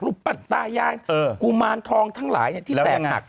ปัตตายายกุมารทองทั้งหลายที่แตกหัก